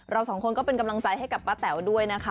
เราสองคนก็เป็นกำลังใจให้กับป้าแต๋วด้วยนะคะ